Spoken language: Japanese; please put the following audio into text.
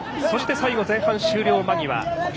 そして、最後、前半終了間際。